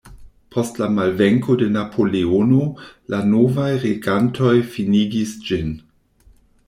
Post la malvenko de Napoleono, la novaj regantoj finigis ĝin.